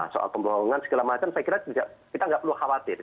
soal kebohongan segala macam saya kira kita nggak perlu khawatir